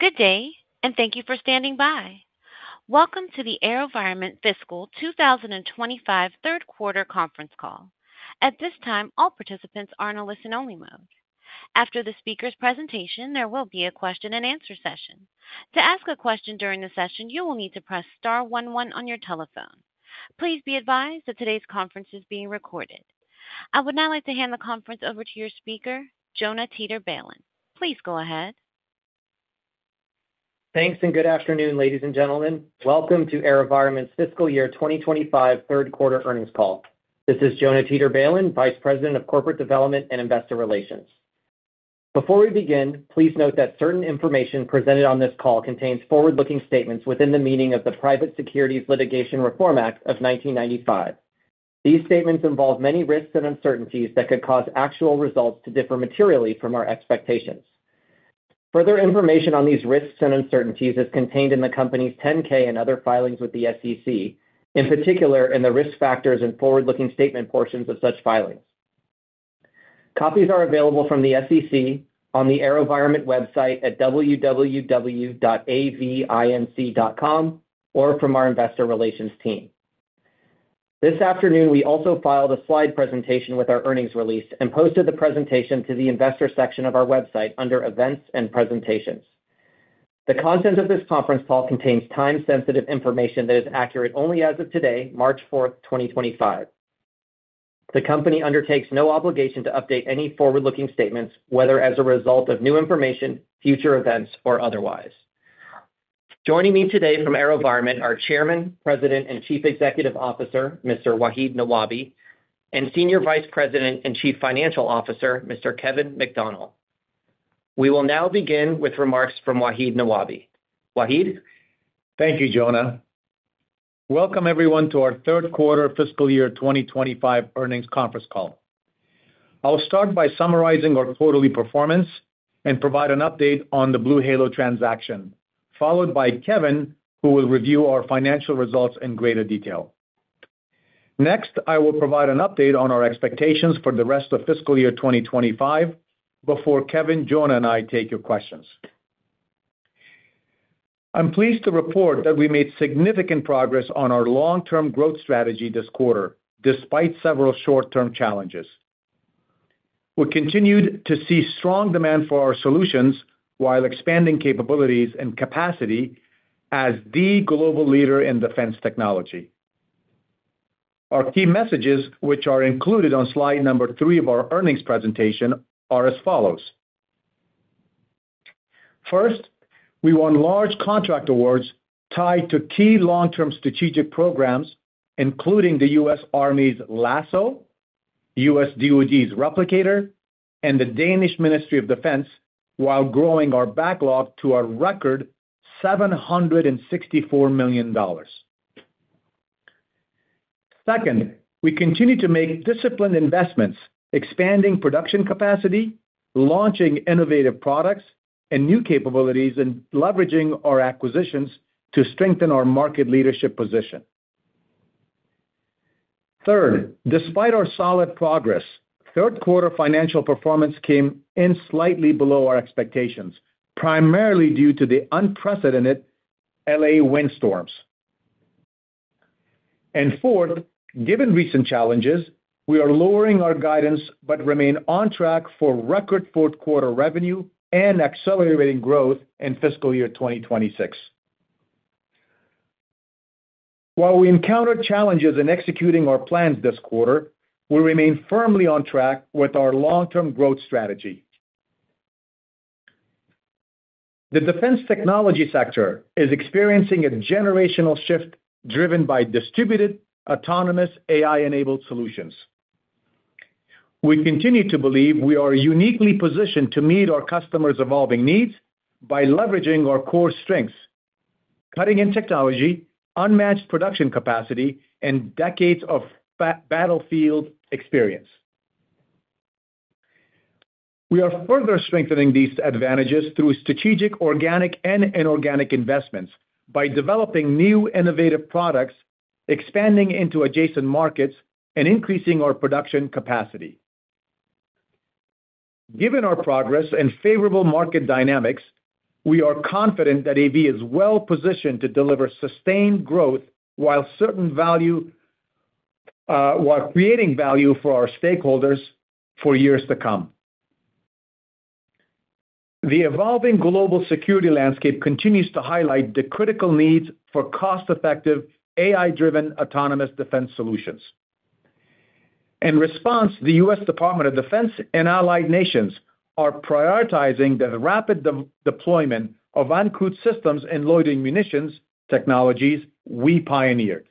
Good day, and thank you for standing by. Welcome to the AeroVironment Fiscal 2025 third quarter conference call. At this time, all participants are in a listen-only mode. After the speaker's presentation, there will be a Q&A. To ask a question during the session, you will need to press star one one on your telephone. Please be advised that today's conference is being recorded. I would now like to hand the conference over to your speaker, Jonah Teeter-Balin. Please go ahead. Thanks, and good afternoon, ladies and gentlemen. Welcome to AeroVironment's Fiscal Year 2025 third quarter earnings call. This is Jonah Teeter-Balin, Vice President of Corporate Development and Investor Relations. Before we begin, please note that certain information presented on this call contains forward-looking statements within the meaning of the Private Securities Litigation Reform Act of 1995. These statements involve many risks and uncertainties that could cause actual results to differ materially from our expectations. Further information on these risks and uncertainties is contained in the company's 10-K and other filings with the SEC, in particular in the risk factors and forward-looking statement portions of such filings. Copies are available from the SEC on the AeroVironment website at www.avinc.com or from our Investor Relations team. This afternoon, we also filed a slide presentation with our earnings release and posted the presentation to the Investor section of our website under Events and Presentations. The content of this conference call contains time-sensitive information that is accurate only as of today, March 4th, 2025. The company undertakes no obligation to update any forward-looking statements, whether as a result of new information, future events, or otherwise. Joining me today from AeroVironment are Chairman, President, and Chief Executive Officer, Mr. Wahid Nawabi, and Senior Vice President and Chief Financial Officer, Mr. Kevin McDonnell. We will now begin with remarks from Wahid Nawabi. Wahid? Thank you, Jonah. Welcome, everyone, to our third quarter fiscal year 2025 earnings conference call. I'll start by summarizing our quarterly performance and provide an update on the BlueHalo transaction, followed by Kevin, who will review our financial results in greater detail. Next, I will provide an update on our expectations for the rest of fiscal year 2025 before Kevin, Jonah, and I take your questions. I'm pleased to report that we made significant progress on our long-term growth strategy this quarter, despite several short-term challenges. We continued to see strong demand for our solutions while expanding capabilities and capacity as the global leader in defense technology. Our key messages, which are included on slide number three of our earnings presentation, are as follows. First, we won large contract awards tied to key long-term strategic programs, including the U.S. Army's LASSO, U.S. DoD's Replicator, and the Danish Ministry of Defense, while growing our backlog to a record $764 million. Second, we continue to make disciplined investments, expanding production capacity, launching innovative products and new capabilities, and leveraging our acquisitions to strengthen our market leadership position. Third, despite our solid progress, third quarter financial performance came in slightly below our expectations, primarily due to the unprecedented L.A. windstorms. And fourth, given recent challenges, we are lowering our guidance but remain on track for record fourth quarter revenue and accelerating growth in fiscal year 2026. While we encountered challenges in executing our plans this quarter, we remain firmly on track with our long-term growth strategy. The defense technology sector is experiencing a generational shift driven by distributed, autonomous, AI-enabled solutions. We continue to believe we are uniquely positioned to meet our customers' evolving needs by leveraging our core strengths: cutting-edge technology, unmatched production capacity, and decades of battlefield experience. We are further strengthening these advantages through strategic, organic, and inorganic investments by developing new innovative products, expanding into adjacent markets, and increasing our production capacity. Given our progress and favorable market dynamics, we are confident that AV is well positioned to deliver sustained growth while creating value for our stakeholders for years to come. The evolving global security landscape continues to highlight the critical needs for cost-effective, AI-driven autonomous defense solutions. In response, the U.S. Department of Defense and allied nations are prioritizing the rapid deployment of Uncrewed Systems and loitering munitions technologies we pioneered.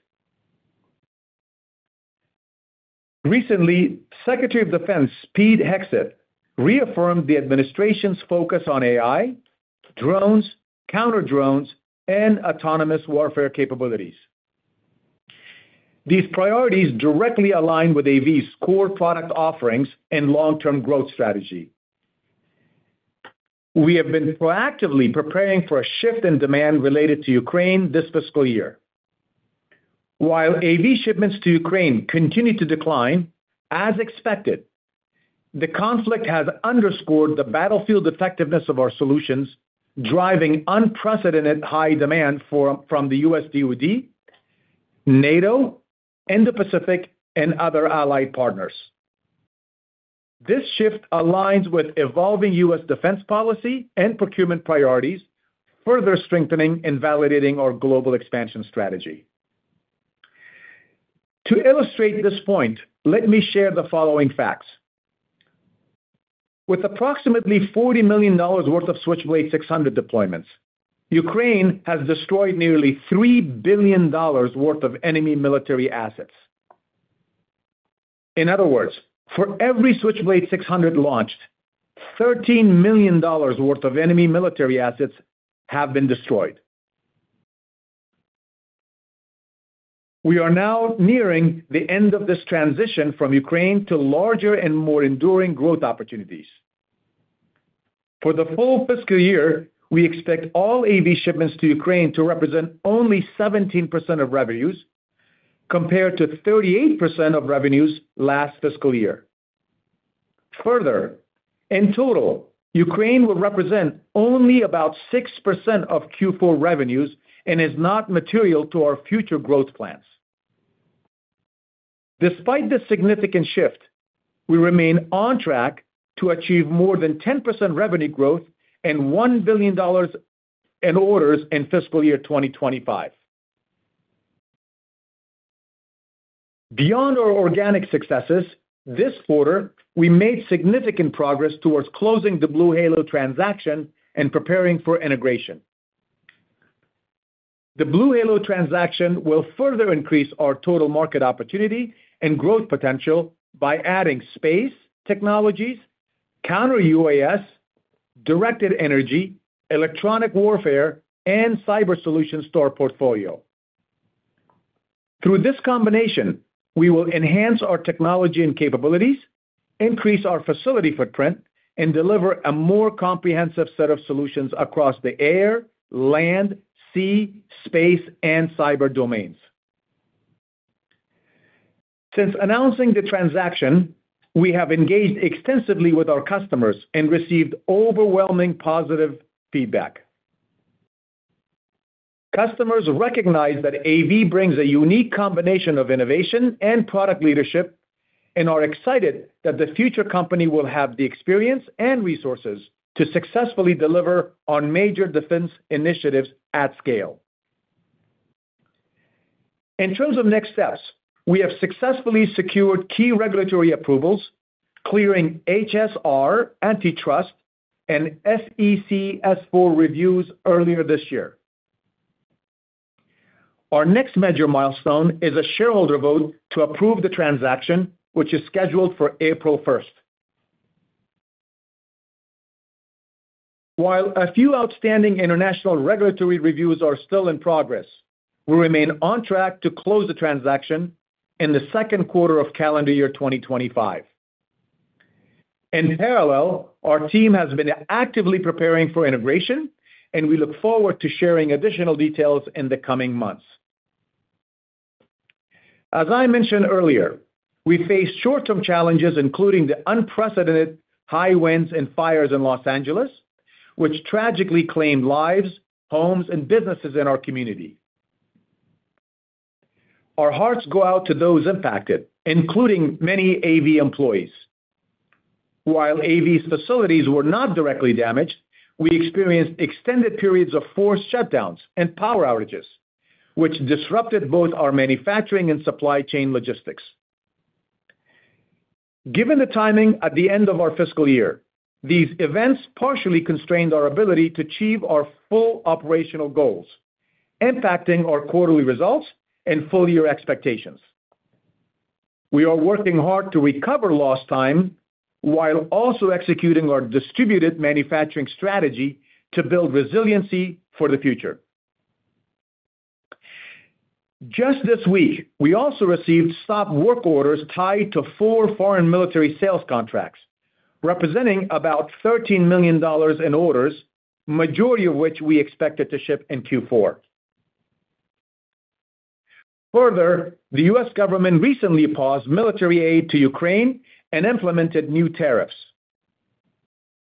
Recently, Secretary of Defense Pete Hegseth reaffirmed the administration's focus on AI, drones, counter-drones, and autonomous warfare capabilities. These priorities directly align with AV's core product offerings and long-term growth strategy. We have been proactively preparing for a shift in demand related to Ukraine this fiscal year. While AV shipments to Ukraine continue to decline, as expected, the conflict has underscored the battlefield effectiveness of our solutions, driving unprecedented high demand from the U.S. DoD, NATO, Indo-Pacific, and other allied partners. This shift aligns with evolving U.S. defense policy and procurement priorities, further strengthening and validating our global expansion strategy. To illustrate this point, let me share the following facts. With approximately $40 million worth of Switchblade 600 deployments, Ukraine has destroyed nearly $3 billion worth of enemy military assets. In other words, for every Switchblade 600 launched, $13 million worth of enemy military assets have been destroyed. We are now nearing the end of this transition from Ukraine to larger and more enduring growth opportunities. For the full fiscal year, we expect all AV shipments to Ukraine to represent only 17% of revenues, compared to 38% of revenues last fiscal year. Further, in total, Ukraine will represent only about 6% of Q4 revenues and is not material to our future growth plans. Despite this significant shift, we remain on track to achieve more than 10% revenue growth and $1 billion in orders in fiscal year 2025. Beyond our organic successes this quarter, we made significant progress towards closing the BlueHalo transaction and preparing for integration. The BlueHalo transaction will further increase our total market opportunity and growth potential by adding space technologies, counter-UAS, directed energy, electronic warfare, and cyber solutions to our portfolio. Through this combination, we will enhance our technology and capabilities, increase our facility footprint, and deliver a more comprehensive set of solutions across the air, land, sea, space, and cyber domains. Since announcing the transaction, we have engaged extensively with our customers and received overwhelming positive feedback. Customers recognize that AV brings a unique combination of innovation and product leadership and are excited that the future company will have the experience and resources to successfully deliver on major defense initiatives at scale. In terms of next steps, we have successfully secured key regulatory approvals, clearing HSR, antitrust, and SEC S-4 reviews earlier this year. Our next major milestone is a shareholder vote to approve the transaction, which is scheduled for April 1st. While a few outstanding international regulatory reviews are still in progress, we remain on track to close the transaction in the second quarter of calendar year 2025. In parallel, our team has been actively preparing for integration, and we look forward to sharing additional details in the coming months. As I mentioned earlier, we faced short-term challenges, including the unprecedented high winds and fires in Los Angeles, which tragically claimed lives, homes, and businesses in our community. Our hearts go out to those impacted, including many AV employees. While AV's facilities were not directly damaged, we experienced extended periods of forced shutdowns and power outages, which disrupted both our manufacturing and supply chain logistics. Given the timing at the end of our fiscal year, these events partially constrained our ability to achieve our full operational goals, impacting our quarterly results and full-year expectations. We are working hard to recover lost time while also executing our distributed manufacturing strategy to build resiliency for the future. Just this week, we also received stop-work orders tied to four Foreign Military Sales contracts, representing about $13 million in orders, the majority of which we expected to ship in Q4. Further, the U.S. government recently paused military aid to Ukraine and implemented new tariffs.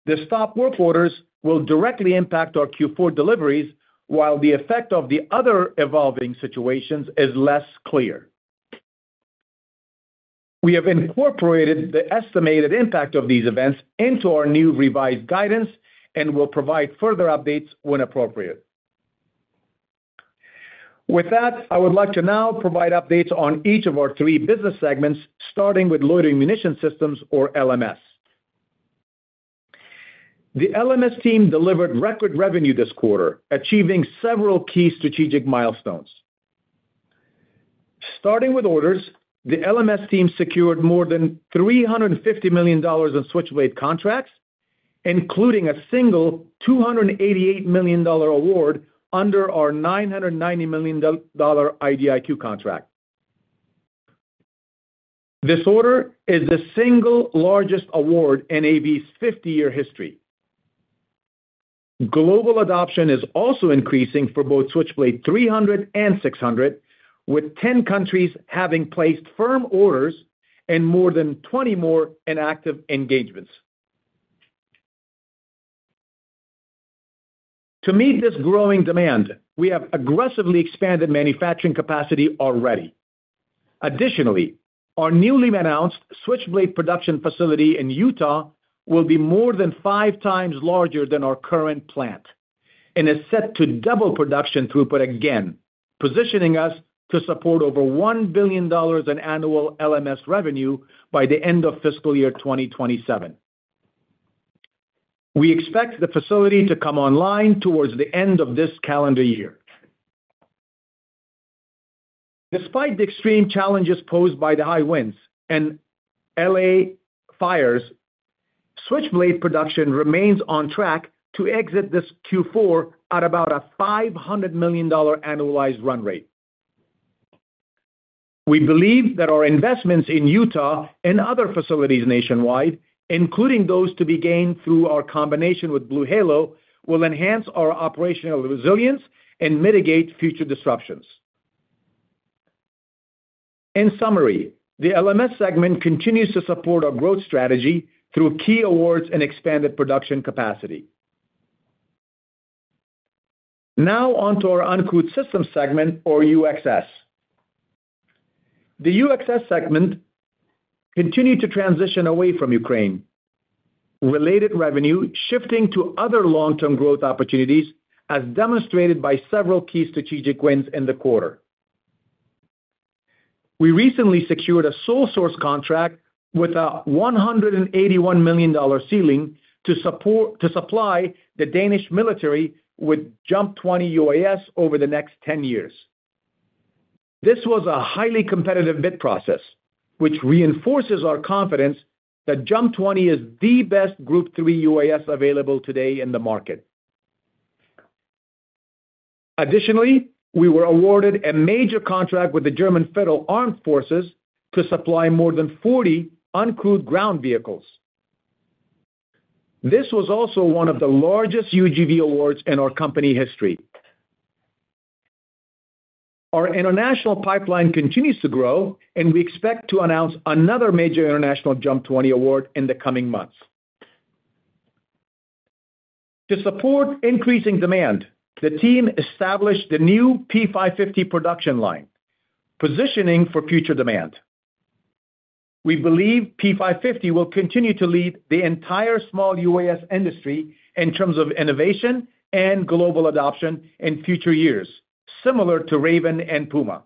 The stop-work orders will directly impact our Q4 deliveries, while the effect of the other evolving situations is less clear. We have incorporated the estimated impact of these events into our new revised guidance and will provide further updates when appropriate. With that, I would like to now provide updates on each of our three business segments, starting with Loitering Munition Systems, or LMS. The LMS team delivered record revenue this quarter, achieving several key strategic milestones. Starting with orders, the LMS team secured more than $350 million in Switchblade contracts, including a single $288 million award under our $990 million IDIQ contract. This order is the single largest award in AV's 50-year history. Global adoption is also increasing for both Switchblade 300 and 600, with 10 countries having placed firm orders and more than 20 more in active engagements. To meet this growing demand, we have aggressively expanded manufacturing capacity already. Additionally, our newly announced Switchblade production facility in Utah will be more than five times larger than our current plant and is set to double production throughput again, positioning us to support over $1 billion in annual LMS revenue by the end of fiscal year 2027. We expect the facility to come online towards the end of this calendar year. Despite the extreme challenges posed by the high winds and L.A. fires, Switchblade production remains on track to exit this Q4 at about a $500 million annualized run rate. We believe that our investments in Utah and other facilities nationwide, including those to be gained through our combination with BlueHalo, will enhance our operational resilience and mitigate future disruptions. In summary, the LMS segment continues to support our growth strategy through key awards and expanded production capacity. Now on to our Uncrewed Systems segment, or UxS. The UxS segment continued to transition away from Ukraine-related revenue, shifting to other long-term growth opportunities, as demonstrated by several key strategic wins in the quarter. We recently secured a sole-source contract with a $181 million ceiling to supply the Danish military with JUMP 20 UAS over the next 10 years. This was a highly competitive bid process, which reinforces our confidence that JUMP 20 is the best Group 3 UAS available today in the market. Additionally, we were awarded a major contract with the German Federal Armed Forces to supply more than 40 uncrewed ground vehicles. This was also one of the largest UGV awards in our company history. Our international pipeline continues to grow, and we expect to announce another major international JUMP 20 award in the coming months. To support increasing demand, the team established the new P550 production line, positioning for future demand. We believe P550 will continue to lead the entire small UAS industry in terms of innovation and global adoption in future years, similar to Raven and Puma.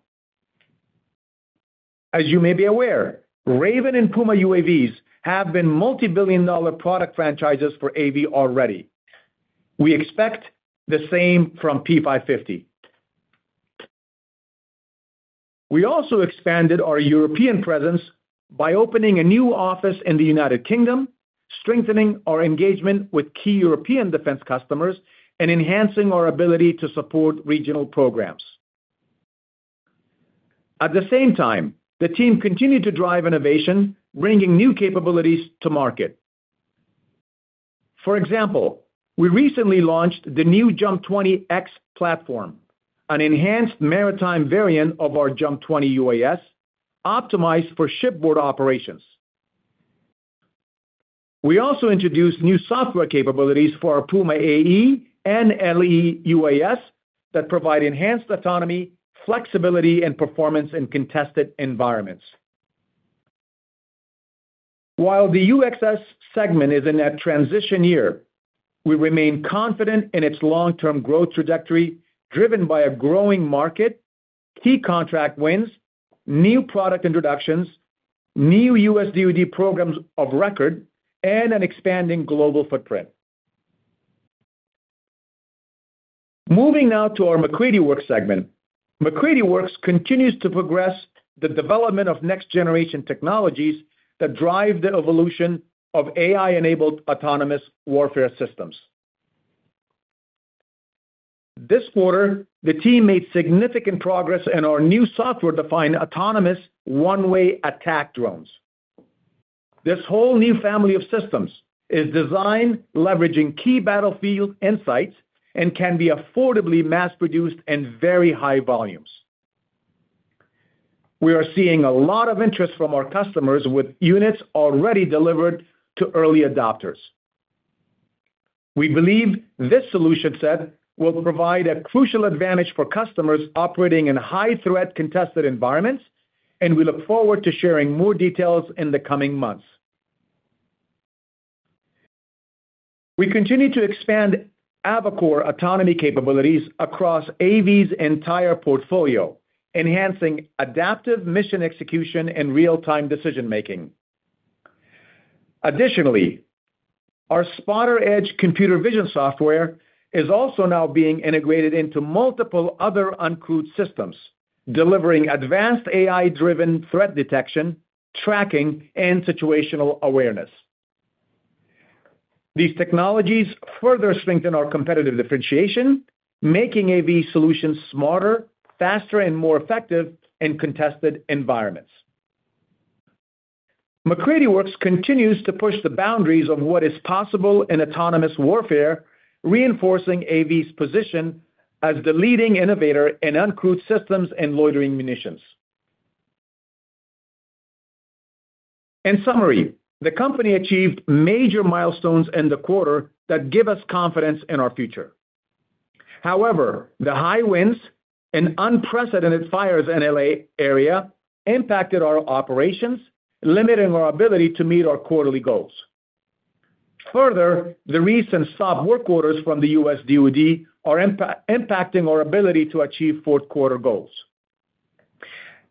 As you may be aware, Raven and Puma UAVs have been multi-billion dollar product franchises for AV already. We expect the same from P550. We also expanded our European presence by opening a new office in the United Kingdom, strengthening our engagement with key European defense customers, and enhancing our ability to support regional programs. At the same time, the team continued to drive innovation, bringing new capabilities to market. For example, we recently launched the new JUMP 20X platform, an enhanced maritime variant of our JUMP 20 UAS, optimized for shipboard operations. We also introduced new software capabilities for our Puma AE and LE UAS that provide enhanced autonomy, flexibility, and performance in contested environments. While the UxS segment is in a transition year, we remain confident in its long-term growth trajectory driven by a growing market, key contract wins, new product introductions, new U.S. DoD programs of record, and an expanding global footprint. Moving now to our MacCready Works segment, MacCready Works continues to progress the development of next-generation technologies that drive the evolution of AI-enabled autonomous warfare systems. This quarter, the team made significant progress in our new software-defined autonomous one-way attack drones. This whole new family of systems is designed, leveraging key battlefield insights, and can be affordably mass-produced in very high volumes. We are seeing a lot of interest from our customers with units already delivered to early adopters. We believe this solution set will provide a crucial advantage for customers operating in high-threat contested environments, and we look forward to sharing more details in the coming months. We continue to expand AVACORE autonomy capabilities across AV's entire portfolio, enhancing adaptive mission execution and real-time decision-making. Additionally, our SPOTR-Edge computer vision software is also now being integrated into multiple other Uncrewed Systems, delivering advanced AI-driven threat detection, tracking, and situational awareness. These technologies further strengthen our competitive differentiation, making AV solutions smarter, faster, and more effective in contested environments. MacCready Works continues to push the boundaries of what is possible in autonomous warfare, reinforcing AV's position as the leading innovator in Uncrewed Systems and loitering munitions. In summary, the company achieved major milestones in the quarter that give us confidence in our future. However, the high winds and unprecedented fires in the L.A. area impacted our operations, limiting our ability to meet our quarterly goals. Further, the recent stop-work orders from the U.S. DoD are impacting our ability to achieve fourth-quarter goals.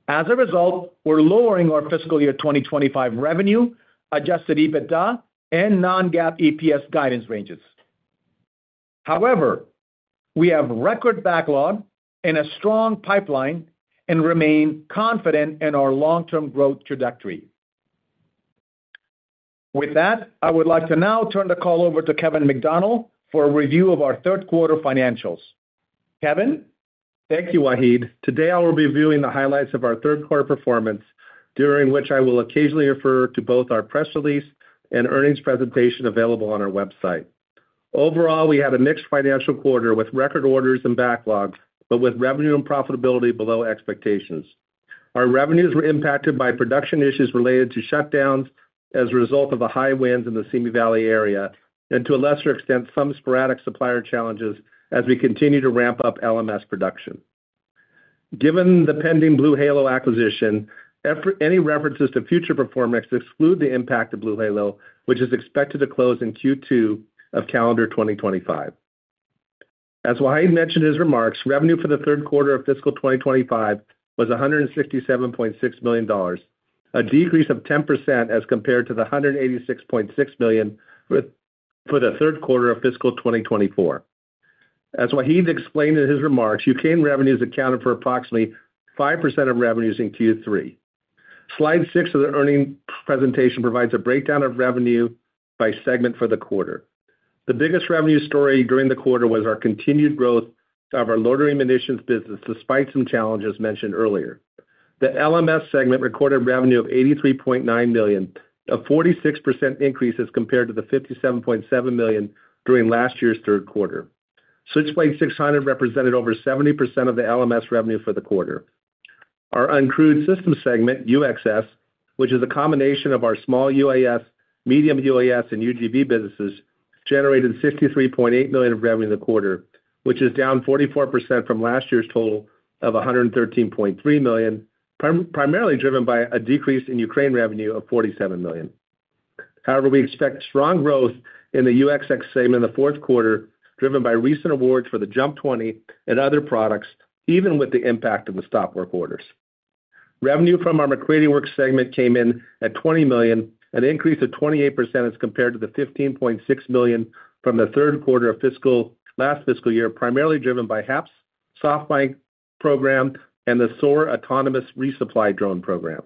As a result, we're lowering our fiscal year 2025 revenue, adjusted EBITDA, and non-GAAP EPS guidance ranges. However, we have record backlog in a strong pipeline and remain confident in our long-term growth trajectory. With that, I would like to now turn the call over to Kevin McDonnell for a review of our third-quarter financials. Kevin. Thank you, Wahid. Today, I will be viewing the highlights of our third-quarter performance, during which I will occasionally refer to both our press release and earnings presentation available on our website. Overall, we had a mixed financial quarter with record orders and backlog, but with revenue and profitability below expectations. Our revenues were impacted by production issues related to shutdowns as a result of the high winds in the Simi Valley area and, to a lesser extent, some sporadic supplier challenges as we continue to ramp up LMS production. Given the pending BlueHalo acquisition, any references to future performance exclude the impact of BlueHalo, which is expected to close in Q2 of calendar 2025. As Wahid mentioned in his remarks, revenue for the third quarter of fiscal 2025 was $167.6 million, a decrease of 10% as compared to the $186.6 million for the third quarter of fiscal 2024. As Wahid explained in his remarks, U.K. revenues accounted for approximately 5% of revenues in Q3. Slide 6 of the earnings presentation provides a breakdown of revenue by segment for the quarter. The biggest revenue story during the quarter was our continued growth of our loitering munitions business, despite some challenges mentioned earlier. The LMS segment recorded revenue of $83.9 million, a 46% increase as compared to the $57.7 million during last year's third quarter. Switchblade 600 represented over 70% of the LMS revenue for the quarter. Our Uncrewed Systems segment, UxS, which is a combination of our small UAS, medium UAS, and UGV businesses, generated $63.8 million in the quarter, which is down 44% from last year's total of $113.3 million, primarily driven by a decrease in Ukraine revenue of $47 million. However, we expect strong growth in the UxS segment in the fourth quarter, driven by recent awards for the JUMP 20 and other products, even with the impact of the stop-work orders. Revenue from our MacCready Works segment came in at $20 million, an increase of 28% as compared to the $15.6 million from the third quarter of last fiscal year, primarily driven by HAPS, SoftBank program, and the SOAR autonomous resupply drone program.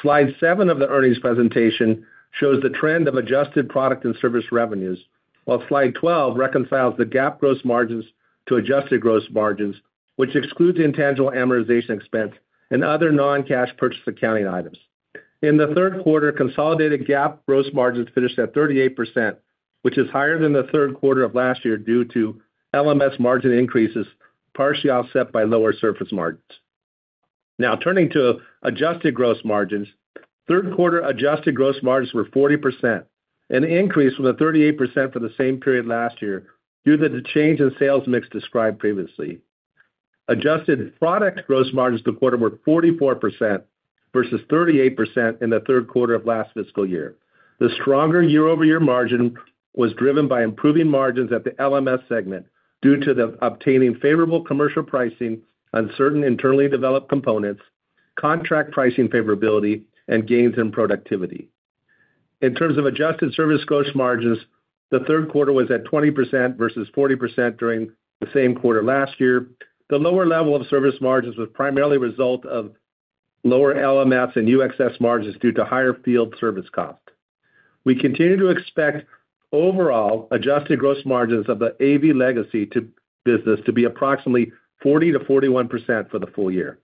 Slide 7 of the earnings presentation shows the trend of adjusted product and service revenues, while Slide 12 reconciles the GAAP gross margins to adjusted gross margins, which excludes intangible amortization expense and other non-cash purchase accounting items. In the third quarter, consolidated GAAP gross margins finished at 38%, which is higher than the third quarter of last year due to LMS margin increases partially offset by lower service margins. Now, turning to adjusted gross margins, third quarter adjusted gross margins were 40%, an increase from the 38% for the same period last year due to the change in sales mix described previously. Adjusted product gross margins the quarter were 44% vs 38% in the third quarter of last fiscal year. The stronger year-over-year margin was driven by improving margins at the LMS segment due to obtaining favorable commercial pricing on certain internally developed components, contract pricing favorability, and gains in productivity. In terms of adjusted service gross margins, the third quarter was at 20% vs 40% during the same quarter last year. The lower level of service margins was primarily a result of lower LMS and UxS margins due to higher field service cost. We continue to expect overall adjusted gross margins of the AV legacy business to be approximately 40%-41% for the full year.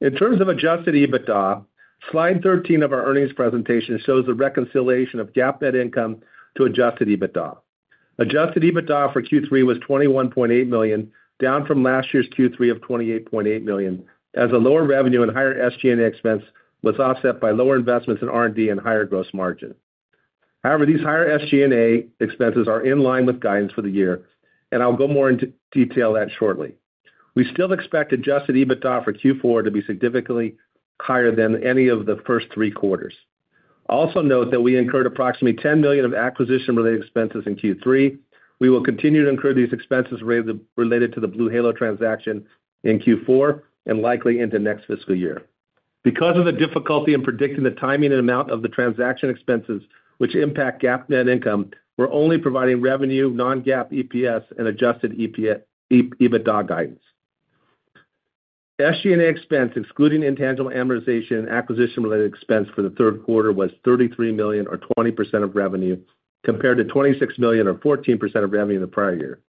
In terms of adjusted EBITDA, Slide 13 of our earnings presentation shows the reconciliation of GAAP net income to adjusted EBITDA. Adjusted EBITDA for Q3 was $21.8 million, down from last year's Q3 of $28.8 million, as the lower revenue and higher SG&A expense was offset by lower investments in R&D and higher gross margin. However, these higher SG&A expenses are in line with guidance for the year, and I'll go into more detail on that shortly. We still expect adjusted EBITDA for Q4 to be significantly higher than any of the first three quarters. Also note that we incurred approximately $10 million of acquisition-related expenses in Q3. We will continue to incur these expenses related to the BlueHalo transaction in Q4 and likely into next fiscal year. Because of the difficulty in predicting the timing and amount of the transaction expenses, which impact GAAP net income, we're only providing revenue, non-GAAP EPS, and adjusted EBITDA guidance. SG&A expense, excluding intangible amortization and acquisition-related expense for the third quarter, was $33 million, or 20% of revenue, compared to $26 million, or 14% of revenue in the prior year.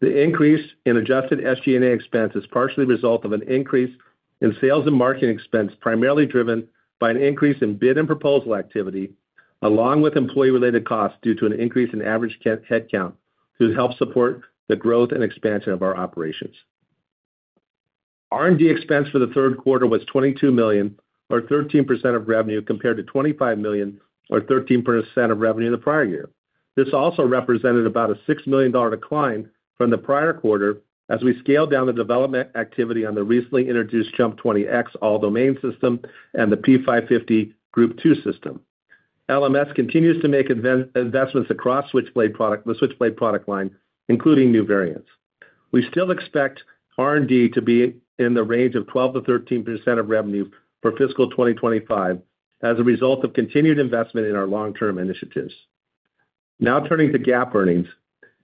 The increase in adjusted SG&A expense is partially a result of an increase in sales and marketing expense, primarily driven by an increase in bid and proposal activity, along with employee-related costs due to an increase in average headcount to help support the growth and expansion of our operations. R&D expense for the third quarter was $22 million, or 13% of revenue, compared to $25 million, or 13% of revenue in the prior year. This also represented about a $6 million decline from the prior quarter as we scaled down the development activity on the recently introduced JUMP 20X all-domain system and the P550 Group 2 system. LMS continues to make investments across the Switchblade product line, including new variants. We still expect R&D to be in the range of 12%-13% of revenue for fiscal 2025 as a result of continued investment in our long-term initiatives. Now, turning to GAAP earnings.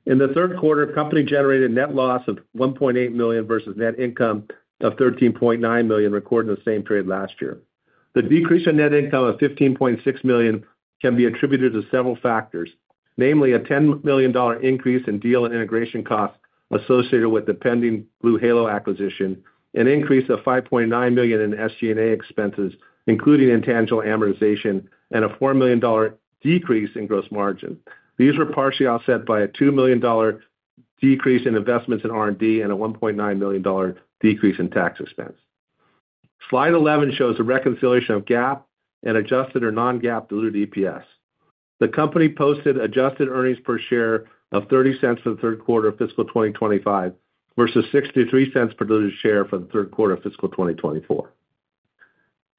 In the third quarter, company-generated net loss of $1.8 million versus net income of $13.9 million recorded in the same period last year. The decrease in net income of $15.6 million can be attributed to several factors, namely a $10 million increase in deal and integration costs associated with the pending BlueHalo acquisition, an increase of $5.9 million in SG&A expenses, including intangible amortization, and a $4 million decrease in gross margin. These were partially offset by a $2 million decrease in investments in R&D and a $1.9 million decrease in tax expense. Slide 11 shows the reconciliation of GAAP and adjusted or non-GAAP diluted EPS. The company posted adjusted earnings per share of $0.30 for the third quarter of fiscal 2025 versus $0.63 per diluted share for the third quarter of fiscal 2024.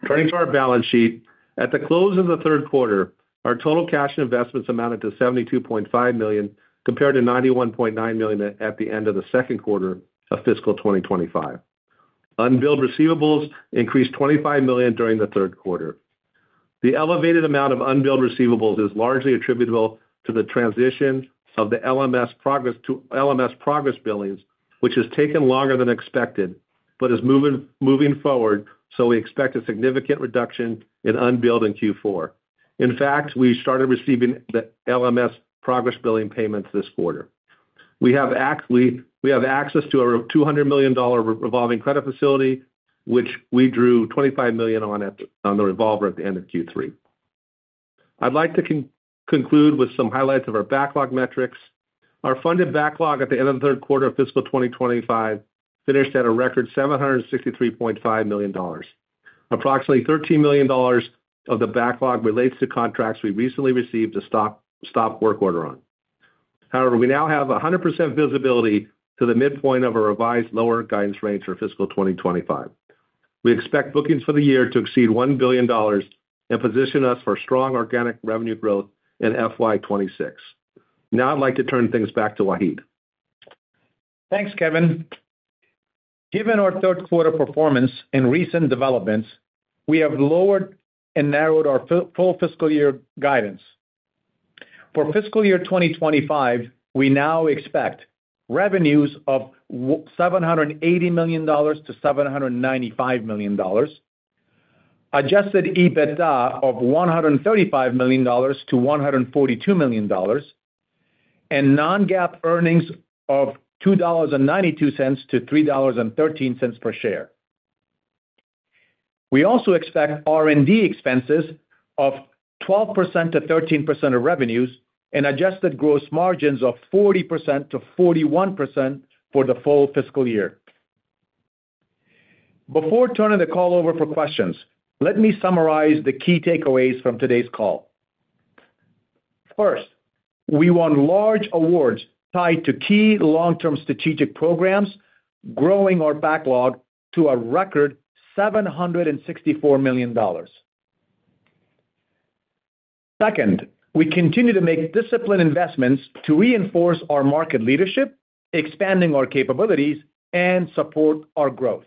Turning to our balance sheet, at the close of the third quarter, our total cash and investments amounted to $72.5 million compared to $91.9 million at the end of the second quarter of fiscal 2025. Unbilled receivables increased $25 million during the third quarter. The elevated amount of unbilled receivables is largely attributable to the transition of the LMS progress billings, which has taken longer than expected but is moving forward, so we expect a significant reduction in unbilled in Q4. In fact, we started receiving the LMS progress billing payments this quarter. We have access to a $200 million revolving credit facility, which we drew $25 million on at the revolver at the end of Q3. I'd like to conclude with some highlights of our backlog metrics. Our funded backlog at the end of the third quarter of fiscal 2025 finished at a record $763.5 million. Approximately $13 million of the backlog relates to contracts we recently received a stop-work order on. However, we now have 100% visibility to the midpoint of a revised lower guidance range for fiscal 2025. We expect bookings for the year to exceed $1 billion and position us for strong organic revenue growth in FY26. Now, I'd like to turn things back to Wahid. Thanks, Kevin. Given our third quarter performance and recent developments, we have lowered and narrowed our full fiscal year guidance. For fiscal year 2025, we now expect revenues of $780 million to $795 million, adjusted EBITDA of $135 million to $142 million, and non-GAAP earnings of $2.92-$3.13 per share. We also expect R&D expenses of 12%-13% of revenues and adjusted gross margins of 40%-41% for the full fiscal year. Before turning the call over for questions, let me summarize the key takeaways from today's call. First, we won large awards tied to key long-term strategic programs, growing our backlog to a record $764 million. Second, we continue to make disciplined investments to reinforce our market leadership, expanding our capabilities, and support our growth.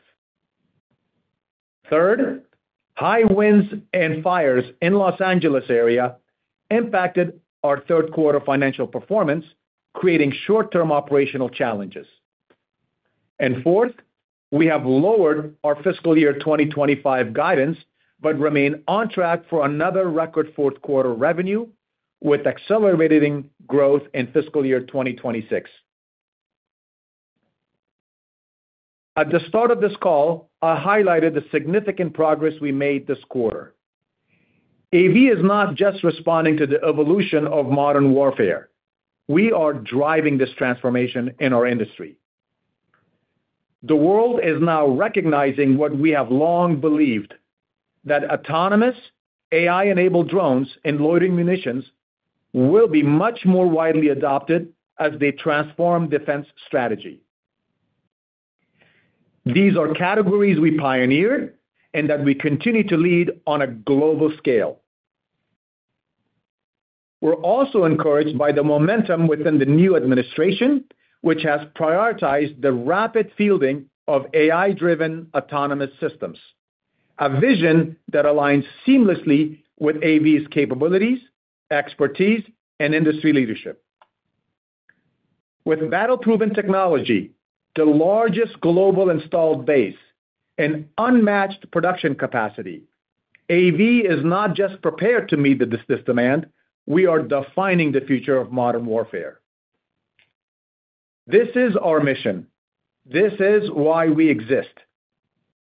Third, high winds and fires in the Los Angeles area impacted our third quarter financial performance, creating short-term operational challenges. Fourth, we have lowered our fiscal year 2025 guidance but remain on track for another record fourth quarter revenue with accelerating growth in fiscal year 2026. At the start of this call, I highlighted the significant progress we made this quarter. AV is not just responding to the evolution of modern warfare. We are driving this transformation in our industry. The world is now recognizing what we have long believed: that autonomous AI-enabled drones and loitering munitions will be much more widely adopted as they transform defense strategy. These are categories we pioneered and that we continue to lead on a global scale. We're also encouraged by the momentum within the new administration, which has prioritized the rapid fielding of AI-driven autonomous systems, a vision that aligns seamlessly with AV's capabilities, expertise, and industry leadership. With battle-proven technology, the largest global installed base, and unmatched production capacity, AV is not just prepared to meet this demand. We are defining the future of modern warfare. This is our mission. This is why we exist.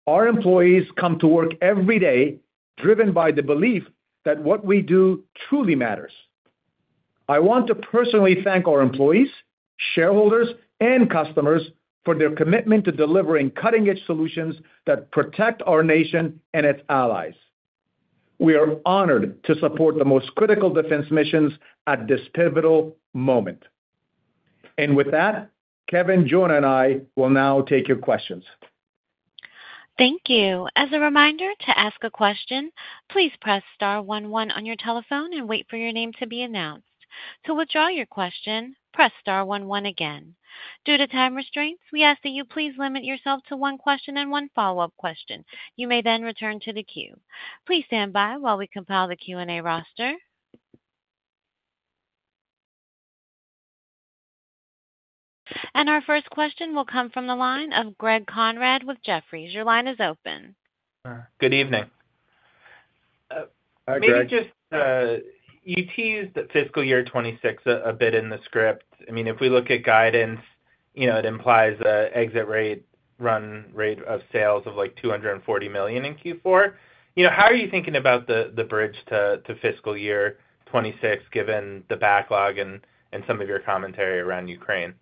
Our employees come to work every day, driven by the belief that what we do truly matters. I want to personally thank our employees, shareholders, and customers for their commitment to delivering cutting-edge solutions that protect our nation and its allies. We are honored to support the most critical defense missions at this pivotal moment, and with that, Kevin, Jonah, and I will now take your questions. Thank you. As a reminder, to ask a question, please press star one one on your telephone and wait for your name to be announced. To withdraw your question, press star one one again. Due to time restraints, we ask that you please limit yourself to one question and one follow-up question. You may then return to the queue. Please stand by while we compile the Q&A roster. Our first question will come from the line of Greg Konrad with Jefferies. Your line is open. Good evening. Hi, Greg. You teased fiscal year 2026 a bit in the script. I mean, if we look at guidance, it implies an exit rate, run rate of sales of like $240 million in Q4. How are you thinking about the bridge to fiscal year 2026, given the backlog and some of your commentary around Ukraine?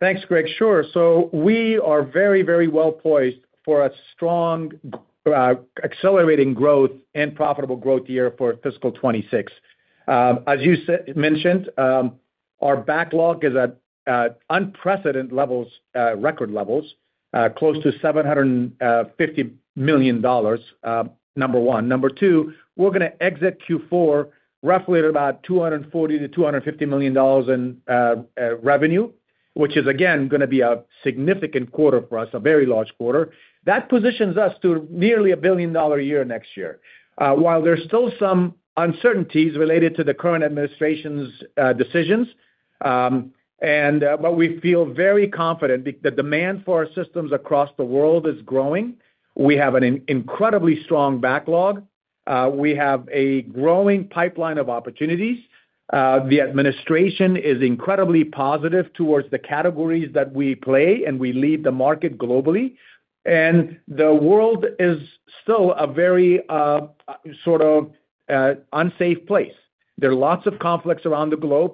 Thanks, Greg. Sure. We are very, very well poised for a strong, accelerating growth and profitable growth year for fiscal 2026. As you mentioned, our backlog is at unprecedented record levels, close to $750 million, number one. Number two, we're going to exit Q4 roughly at about $24 to $250 million in revenue, which is, again, going to be a significant quarter for us, a very large quarter. That positions us to nearly a billion-dollar year next year. While there's still some uncertainties related to the current administration's decisions, but we feel very confident that the demand for our systems across the world is growing. We have an incredibly strong backlog. We have a growing pipeline of opportunities. The administration is incredibly positive towards the categories that we play, and we lead the market globally. And the world is still a very sort of unsafe place. There are lots of conflicts around the globe,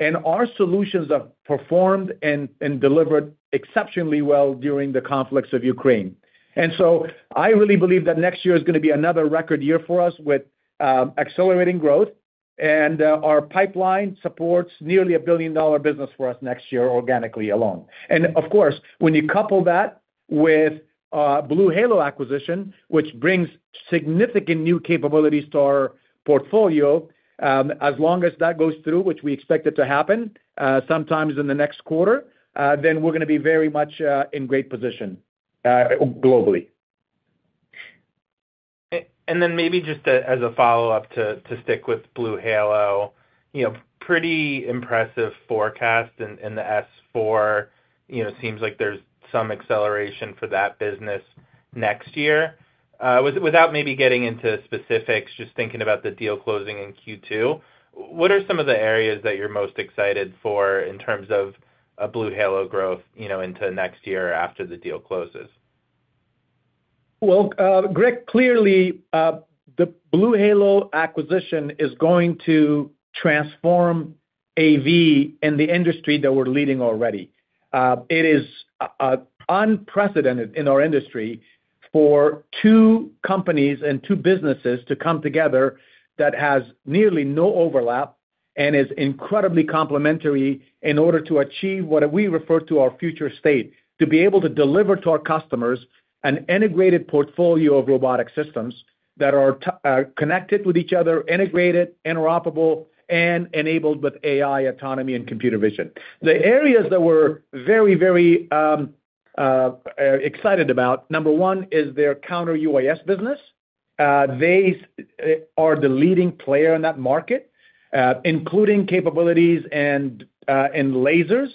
and our solutions have performed and delivered exceptionally well during the conflicts of Ukraine. And so I really believe that next year is going to be another record year for us with accelerating growth, and our pipeline supports nearly a $1 billion business for us next year organically alone. And of course, when you couple that with BlueHalo acquisition, which brings significant new capabilities to our portfolio, as long as that goes through, which we expect it to happen sometime in the next quarter, then we're going to be very much in great position globally. And then maybe just as a follow-up to stick with BlueHalo, pretty impressive forecast in the S-4. It seems like there's some acceleration for that business next year. Without maybe getting into specifics, just thinking about the deal closing in Q2, what are some of the areas that you're most excited for in terms of BlueHalo growth into next year after the deal closes? Greg, clearly, the BlueHalo acquisition is going to transform AV in the industry that we're leading already. It is unprecedented in our industry for two companies and two businesses to come together that has nearly no overlap and is incredibly complementary in order to achieve what we refer to as our future state, to be able to deliver to our customers an integrated portfolio of robotic systems that are connected with each other, integrated, interoperable, and enabled with AI, autonomy, and computer vision. The areas that we're very, very excited about, number one, is their counter-UAS business. They are the leading player in that market, including capabilities in lasers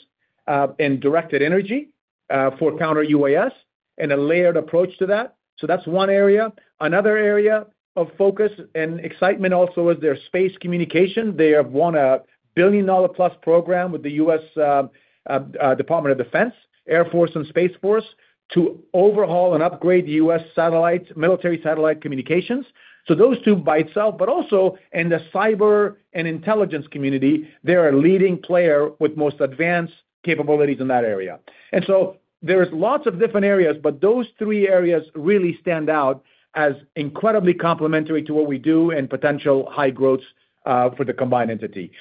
and directed energy for counter-UAS and a layered approach to that. So that's one area. Another area of focus and excitement also is their space communication. They have won a $1 billion-plus program with the U.S. Department of Defense, Air Force, and Space Force to overhaul and upgrade U.S. military satellite communications. So those two by itself, but also in the cyber and intelligence community, they're a leading player with most advanced capabilities in that area. There are lots of different areas, but those three areas really stand out as incredibly complementary to what we do and potential high growth for the combined entity.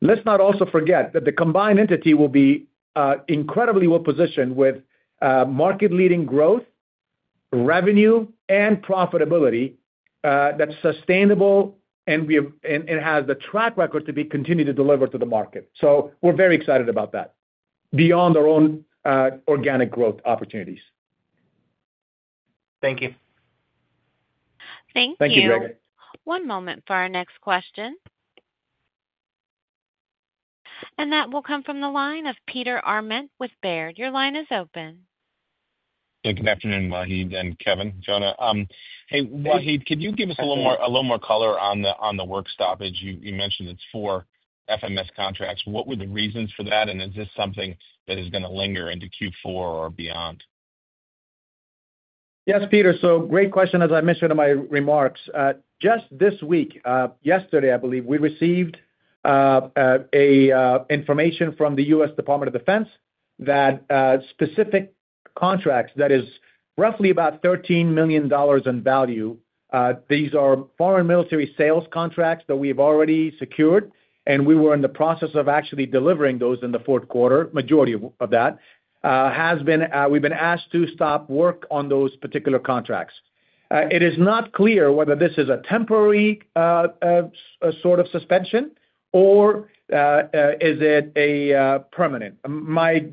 Let's not also forget that the combined entity will be incredibly well positioned with market-leading growth, revenue, and profitability that's sustainable, and it has the track record to be continued to deliver to the market. We're very excited about that. Beyond our own organic growth opportunities. Thank you. Thank you, Greg. One moment for our next question. That will come from the line of Peter Arment with Baird. Your line is open. Good afternoon, Wahid and Kevin, Jonah. Hey, Wahid, could you give us a little more color on the work stoppage? You mentioned it's for FMS contracts. What were the reasons for that? And is this something that is going to linger into Q4 or beyond? Yes, Peter. So great question, as I mentioned in my remarks. Just this week, yesterday, I believe, we received information from the U.S. Department of Defense that specific contracts that is roughly about $13 million in value. These are Foreign Military Sales contracts that we have already secured, and we were in the process of actually delivering those in the fourth quarter, majority of that. We've been asked to stop work on those particular contracts. It is not clear whether this is a temporary sort of suspension or is it a permanent. My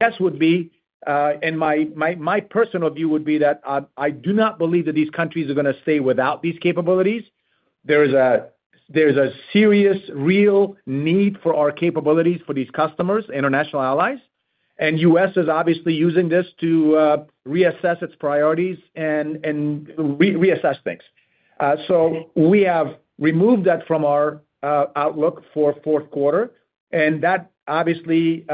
guess would be, and my personal view would be that I do not believe that these countries are going to stay without these capabilities. There is a serious, real need for our capabilities for these customers, international allies. And the U.S. is obviously using this to reassess its priorities and reassess things. So we have removed that from our outlook for fourth quarter. And that obviously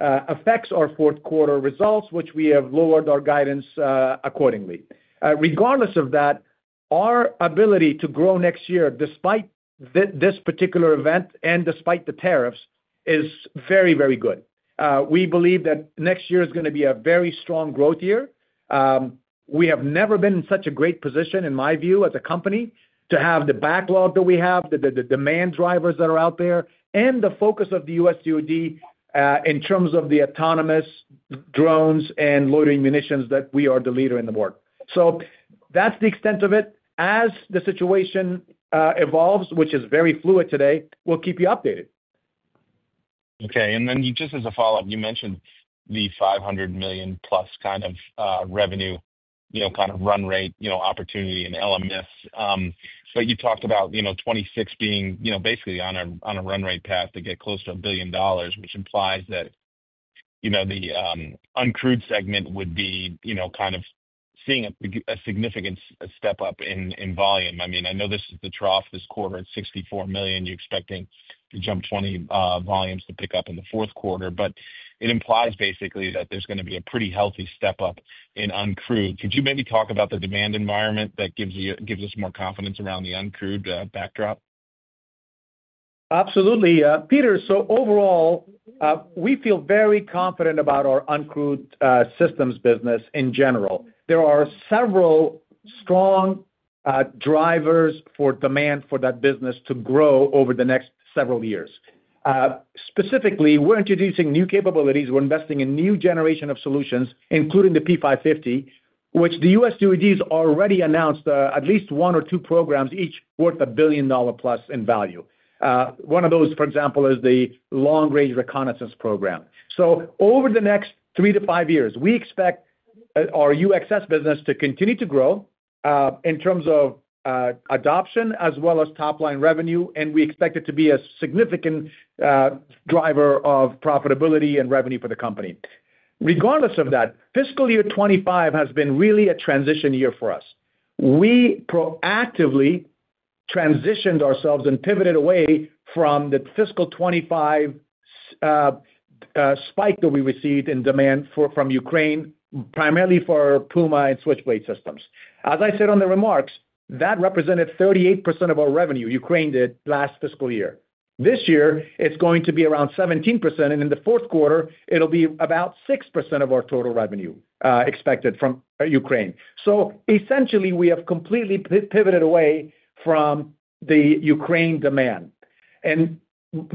affects our fourth quarter results, which we have lowered our guidance accordingly. Regardless of that, our ability to grow next year despite this particular event and despite the tariffs is very, very good. We believe that next year is going to be a very strong growth year. We have never been in such a great position, in my view, as a company to have the backlog that we have, the demand drivers that are out there, and the focus of the U.S. DoD in terms of the autonomous drones and loitering munitions that we are the leader in the world. So that's the extent of it. As the situation evolves, which is very fluid today, we'll keep you updated. Okay. And then just as a follow-up, you mentioned the $500 million-plus kind of revenue, kind of run rate opportunity in LMS. But you talked about 2026 being basically on a run rate path to get close to a billion dollars, which implies that the uncrewed segment would be kind of seeing a significant step up in volume. I mean, I know this is the trough this quarter at $64 million. You're expecting JUMP 20 volumes to pick up in the fourth quarter. But it implies basically that there's going to be a pretty healthy step up in uncrewed. Could you maybe talk about the demand environment that gives us more confidence around the uncrewed backdrop? Absolutely. Peter, so overall, we feel very confident about our Uncrewed Systems business in general. There are several strong drivers for demand for that business to grow over the next several years. Specifically, we're introducing new capabilities. We're investing in a new generation of solutions, including the P550, which the U.S. DoD has already announced at least one or two programs each worth a billion-dollar-plus in value. One of those, for example, is the long-range reconnaissance program. So over the next three to five years, we expect our UxS business to continue to grow in terms of adoption as well as top-line revenue. And we expect it to be a significant driver of profitability and revenue for the company. Regardless of that, fiscal year 2025 has been really a transition year for us. We proactively transitioned ourselves and pivoted away from the fiscal 2025 spike that we received in demand from Ukraine, primarily for Puma and Switchblade systems. As I said on the remarks, that represented 38% of our revenue Ukraine did last fiscal year. This year, it's going to be around 17%. And in the fourth quarter, it'll be about 6% of our total revenue expected from Ukraine. So essentially, we have completely pivoted away from the Ukraine demand. And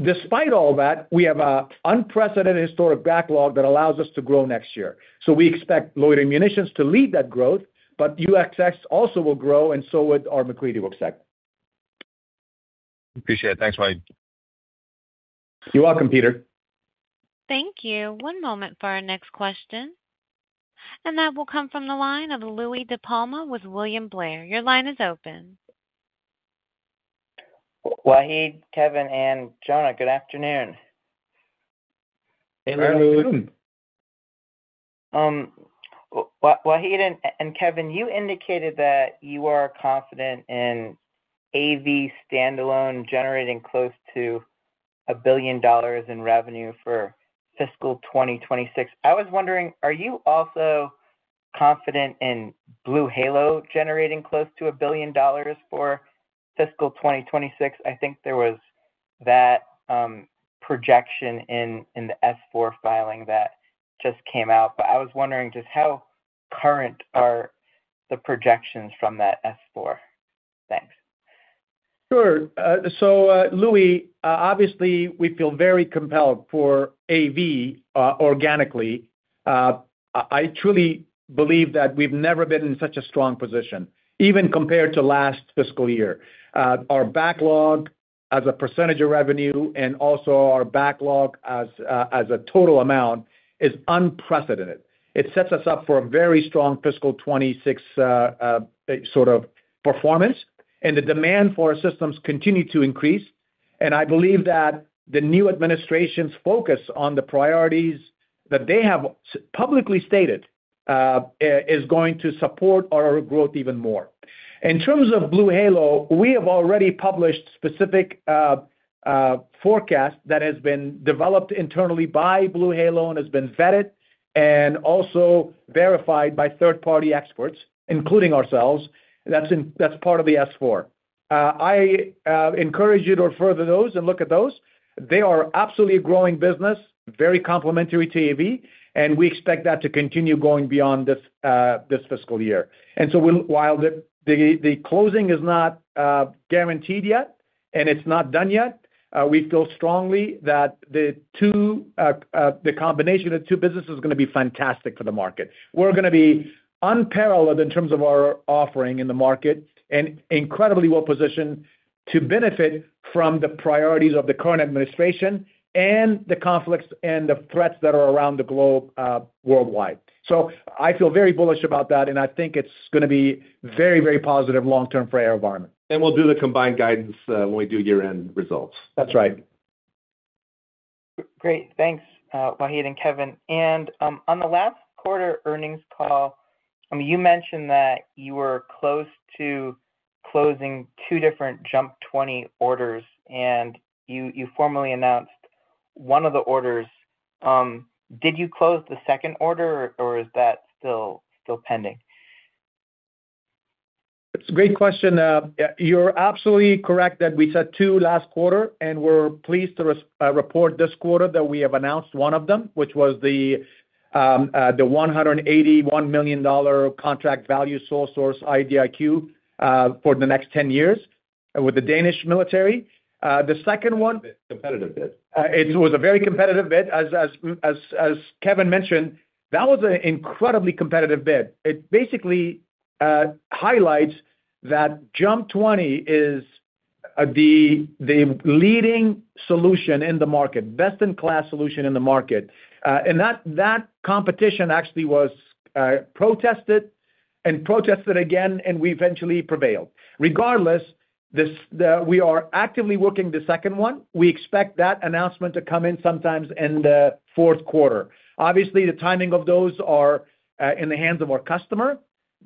despite all that, we have an unprecedented historic backlog that allows us to grow next year. So we expect loitering munitions to lead that growth, but UxS also will grow, and so will our MacCready Works segment. Appreciate it. Thanks, Wahid. You're welcome, Peter. Thank you. One moment for our next question. And that will come from the line of Louie DiPalma with William Blair. Your line is open. Wahid, Kevin, and Jonah, good afternoon. Wahid and Kevin, you indicated that you are confident in AV standalone generating close to $1 billion in revenue for fiscal 2026. I was wondering, are you also confident in BlueHalo generating close to $1 billion for fiscal 2026? I think there was that projection in the S-4 filing that just came out. But I was wondering just how current are the projections from that S-4? Thanks. Sure. So Louie, obviously, we feel very compelled for AV organically. I truly believe that we've never been in such a strong position, even compared to last fiscal year. Our backlog as a percentage of revenue and also our backlog as a total amount is unprecedented. It sets us up for a very strong fiscal 2026 sort of performance, and the demand for our systems continues to increase. I believe that the new administration's focus on the priorities that they have publicly stated is going to support our growth even more. In terms of BlueHalo, we have already published specific forecasts that have been developed internally by BlueHalo and have been vetted and also verified by third-party experts, including ourselves. That's part of the S-4. I encourage you to refer to those and look at those. They are absolutely a growing business, very complementary to AV. We expect that to continue going beyond this fiscal year. While the closing is not guaranteed yet and it's not done yet, we feel strongly that the combination of the two businesses is going to be fantastic for the market. We're going to be unparalleled in terms of our offering in the market and incredibly well positioned to benefit from the priorities of the current administration and the conflicts and the threats that are around the globe worldwide. So I feel very bullish about that. And I think it's going to be very, very positive long-term for AV. And we'll do the combined guidance when we do year-end results. That's right. Great. Thanks, Wahid and Kevin. And on the last quarter earnings call, you mentioned that you were close to closing two different JUMP 20 orders. And you formally announced one of the orders. Did you close the second order, or is that still pending? That's a great question. You're absolutely correct that we said two last quarter. We're pleased to report this quarter that we have announced one of them, which was the $181 million contract value sole source IDIQ for the next 10 years with the Danish military. The second one was a competitive bid. It was a very competitive bid. As Kevin mentioned, that was an incredibly competitive bid. It basically highlights that JUMP 20 is the leading solution in the market, best-in-class solution in the market. And that competition actually was protested and protested again, and we eventually prevailed. Regardless, we are actively working the second one. We expect that announcement to come in sometime in the fourth quarter. Obviously, the timing of those is in the hands of our customer.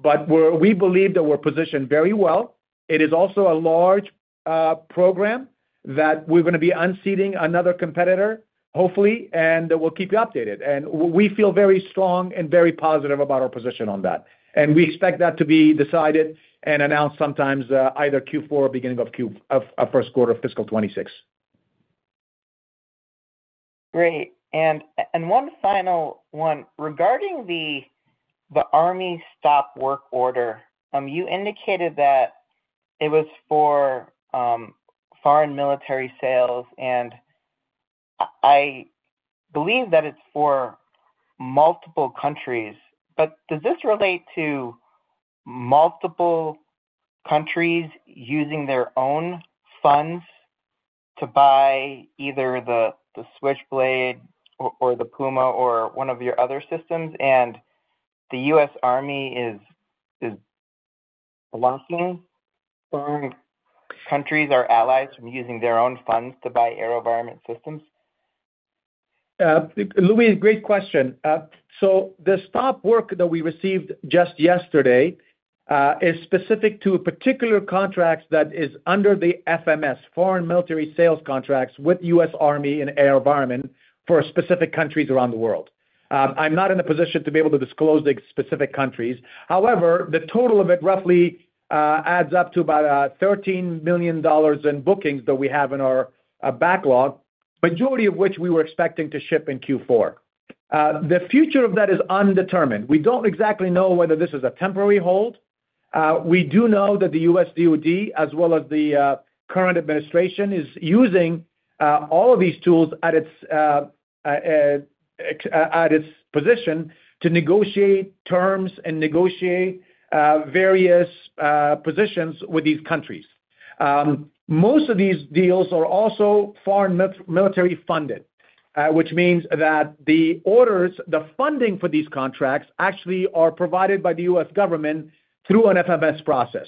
But we believe that we're positioned very well. It is also a large program that we're going to be unseating another competitor, hopefully, and we'll keep you updated. And we feel very strong and very positive about our position on that. And we expect that to be decided and announced sometime either Q4 or beginning of first quarter of fiscal 2026. Great. And one final one. Regarding the Army Stop Work order, you indicated that it was for Foreign Military Sales. And I believe that it's for multiple countries. But does this relate to multiple countries using their own funds to buy either the Switchblade or the Puma or one of your other systems? And the U.S. Army is blocking foreign countries, our allies, from using their own funds to buy AeroVironment systems? Louie, great question. So the stop work that we received just yesterday is specific to a particular contract that is under the FMS, Foreign Military Sales Contracts, with the U.S. Army and AeroVironment for specific countries around the world. I'm not in a position to be able to disclose the specific countries. However, the total of it roughly adds up to about $13 million in bookings that we have in our backlog, the majority of which we were expecting to ship in Q4. The future of that is undetermined. We don't exactly know whether this is a temporary hold. We do know that the U.S. DoD, as well as the current administration, is using all of these tools at its position to negotiate terms and negotiate various positions with these countries. Most of these deals are also foreign military-funded, which means that the orders, the funding for these contracts actually are provided by the U.S. government through an FMS process,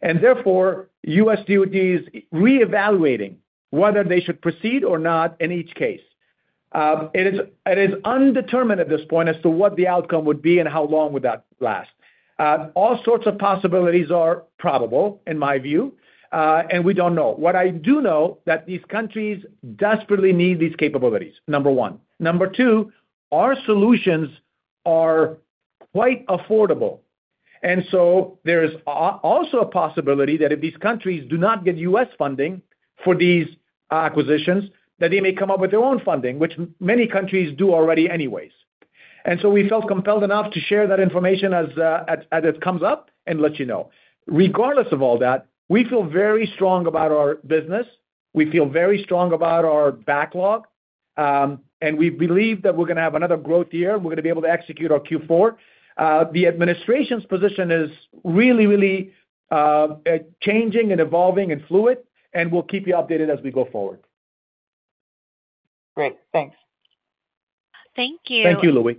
and therefore, U.S. DoD is reevaluating whether they should proceed or not in each case. It is undetermined at this point as to what the outcome would be and how long would that last. All sorts of possibilities are probable, in my view, and we don't know. What I do know is that these countries desperately need these capabilities, number one. Number two, our solutions are quite affordable. And so there is also a possibility that if these countries do not get U.S. funding for these acquisitions, that they may come up with their own funding, which many countries do already anyways. And so we felt compelled enough to share that information as it comes up and let you know. Regardless of all that, we feel very strong about our business. We feel very strong about our backlog. And we believe that we're going to have another growth year. We're going to be able to execute our Q4. The administration's position is really, really changing and evolving and fluid. And we'll keep you updated as we go forward. Great. Thanks. Thank you. Thank you, Louie.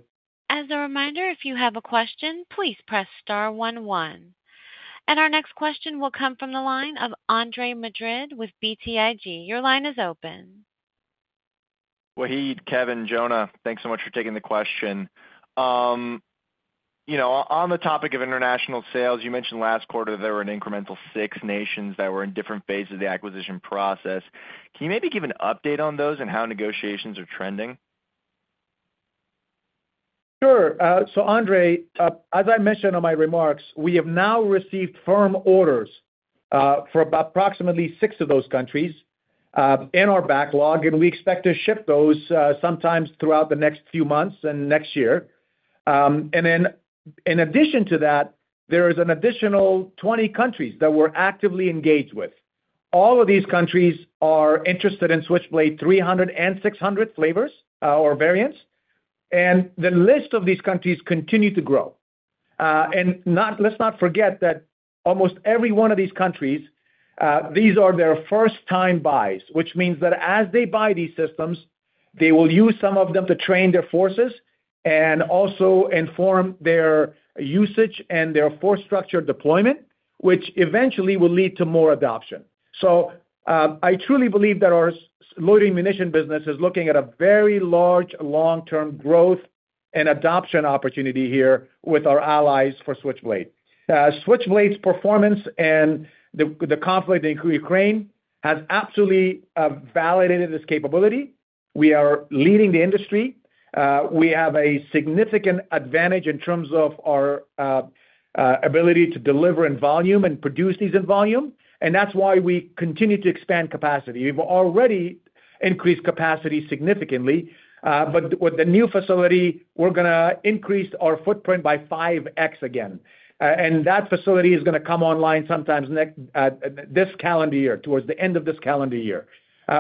As a reminder, if you have a question, please press star 11. And our next question will come from the line of Andre Madrid with BTIG. Your line is open. Wahid, Kevin, Jonah, thanks so much for taking the question. On the topic of international sales, you mentioned last quarter there were an incremental six nations that were in different phases of the acquisition process. Can you maybe give an update on those and how negotiations are trending? Sure. So Andre, as I mentioned in my remarks, we have now received firm orders for approximately six of those countries in our backlog. And we expect to ship those sometime throughout the next few months and next year. And then, in addition to that, there is an additional 20 countries that we're actively engaged with. All of these countries are interested in Switchblade 300 and 600 flavors or variants. And the list of these countries continues to grow. And let's not forget that almost every one of these countries, these are their first-time buys, which means that as they buy these systems, they will use some of them to train their forces and also inform their usage and their force structure deployment, which eventually will lead to more adoption. So I truly believe that our loitering munition business is looking at a very large long-term growth and adoption opportunity here with our allies for Switchblade. Switchblade's performance and the conflict in Ukraine has absolutely validated this capability. We are leading the industry. We have a significant advantage in terms of our ability to deliver in volume and produce these in volume, and that's why we continue to expand capacity. We've already increased capacity significantly, but with the new facility, we're going to increase our footprint by 5x again. And that facility is going to come online sometime this calendar year, towards the end of this calendar year,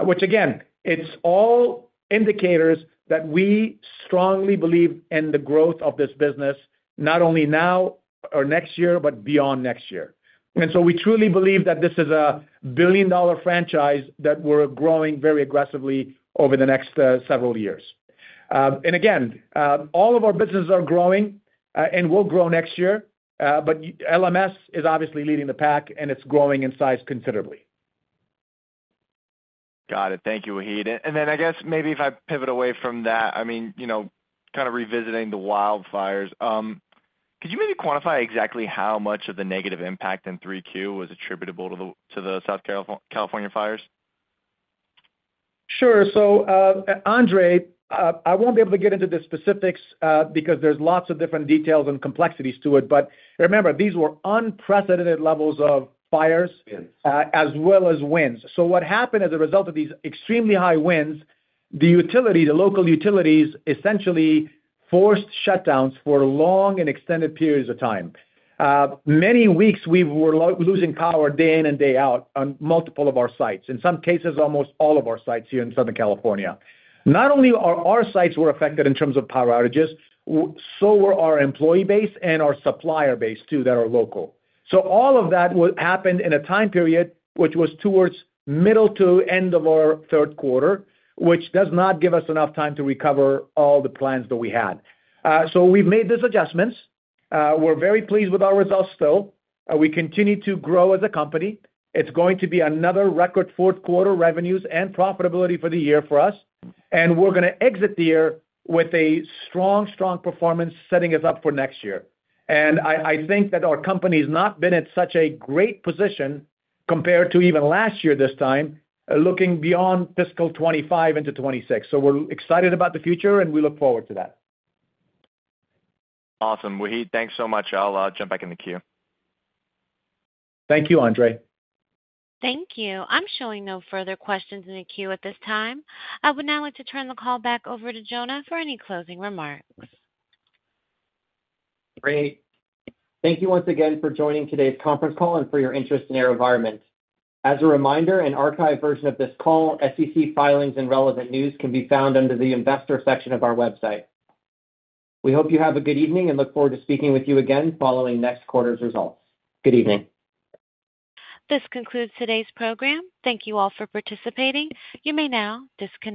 which again, it's all indicators that we strongly believe in the growth of this business, not only now or next year, but beyond next year. And so we truly believe that this is a billion-dollar franchise that we're growing very aggressively over the next several years. And again, all of our businesses are growing, and we'll grow next year, but LMS is obviously leading the pack, and it's growing in size considerably. Got it. Thank you, Wahid. And then I guess maybe if I pivot away from that, I mean, kind of revisiting the wildfires, could you maybe quantify exactly how much of the negative impact in 3Q was attributable to the Southern California fires? Sure. So Andre, I won't be able to get into the specifics because there's lots of different details and complexities to it. But remember, these were unprecedented levels of fires as well as winds. So what happened as a result of these extremely high winds, the local utilities essentially forced shutdowns for long and extended periods of time. Many weeks, we were losing power day in and day out on multiple of our sites, in some cases, almost all of our sites here in Southern California. Not only our sites were affected in terms of power outages, so were our employee base and our supplier base too that are local. So all of that happened in a time period which was towards middle to end of our third quarter, which does not give us enough time to recover all the plans that we had. So we've made these adjustments. We're very pleased with our results still. We continue to grow as a company. It's going to be another record fourth quarter revenues and profitability for the year for us. And we're going to exit the year with a strong, strong performance setting us up for next year. And I think that our company has not been in such a great position compared to even last year this time, looking beyond fiscal 2025 into 2026. So we're excited about the future, and we look forward to that. Awesome. Wahid, thanks so much. I'll jump back in the queue. Thank you, Andre. Thank you. I'm showing no further questions in the queue at this time. I would now like to turn the call back over to Jonah for any closing remarks. Great. Thank you once again for joining today's conference call and for your interest in AeroVironment. As a reminder, an archived version of this call, SEC filings, and relevant news can be found under the investor section of our website. We hope you have a good evening and look forward to speaking with you again following next quarter's results. Good evening. This concludes today's program. Thank you all for participating. You may now disconnect.